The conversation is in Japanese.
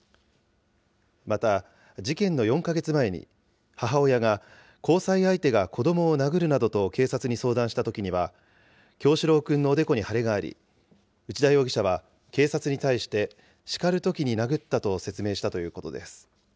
また事件の４か月前に、母親が交際相手が子どもを殴るなどと警察に相談したときには、叶志郎くんのおでこに腫れがあり、内田容疑者は警察に対して、叱るときに殴ったと説明したということです。